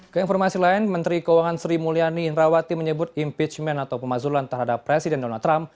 keinformasi lain menteri keuangan sri mulyani indrawati menyebut impeachment atau pemazulan terhadap presiden donald trump